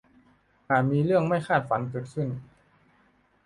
อาจมีเรื่องไม่คาดฝันเกิดขึ้น